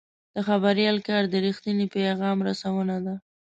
د خبریال کار د رښتیني پیغام رسونه ده.